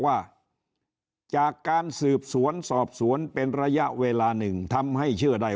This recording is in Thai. ว่าจากการสืบสวนสอบสวนเป็นระยะเวลาหนึ่งทำให้เชื่อได้